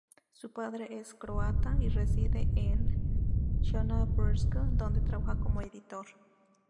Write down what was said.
Su padre es croata y reside en Johannesburgo donde trabaja como editor.